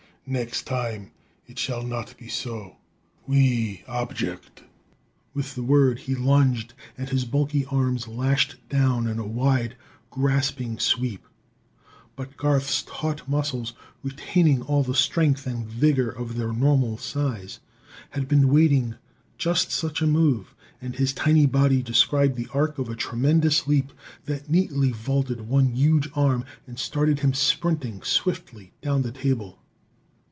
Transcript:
Next time, it shall not be so. We object!" With the word, he lunged, and his bulky arms lashed down in a wide, grasping sweep. But Garth's taut muscles, retaining all the strength and vigor of their normal size had been awaiting just such a move, and his tiny body described the arc of a tremendous leap that neatly vaulted one huge arm and started him sprinting swiftly down the table.